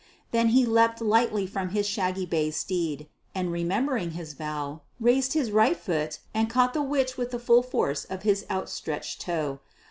Then he leapt lightly from his shaggy bay steed and, remembering his vow, raised his right foot and caught the witch with the full force of his outstretched toe.